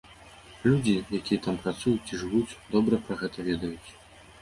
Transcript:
Людзі, якія там працуюць ці жывуць, добра пра гэта ведаюць.